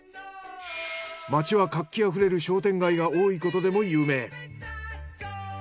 町は活気あふれる商店街が多いことでも有名。